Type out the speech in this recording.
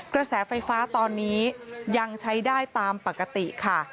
กระแสไฟฟ้าตอนนี้ยังใช้ได้ตามปกติค่ะ